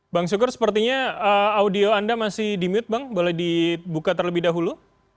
bang syukur sepertinya audio anda masih di mute bang boleh dibuka terlebih dahulu